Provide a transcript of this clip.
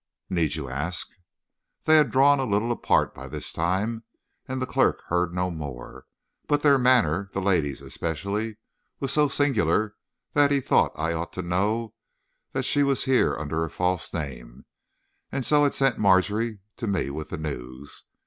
"Need you ask?" They had drawn a little apart by this time, and the clerk heard no more; but their manner the lady's especially was so singular that he thought I ought to know that she was here under a false name, and so had sent Margery to me with the news.